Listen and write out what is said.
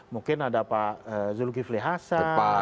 mungkin ada pak zulkifli hasan pak